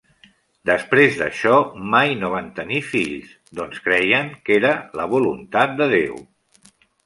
Després d'això, mai no van tenir fills, doncs creien que era la voluntat de Déu.